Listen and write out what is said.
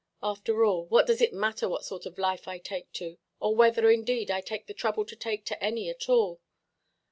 After all, what does it matter what sort of life I take to? Or whether, indeed, I take the trouble to take to any at all?